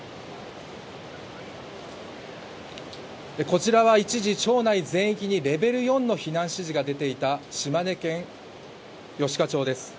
こちらは一時、町内全域にレベル４の避難指示が出ていた島根県吉賀町です。